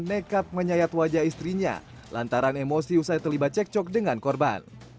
nekat menyayat wajah istrinya lantaran emosi usai terlibat cekcok dengan korban